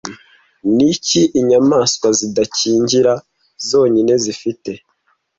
Ni iki inyamaswa zidakingira zonyine zifite